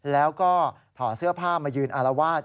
แล้วก็ถอดเสื้อผ้ามายืนอารวาส